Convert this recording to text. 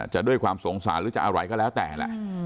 ด้วยความสงสารหรือจะอะไรก็แล้วแต่แหละ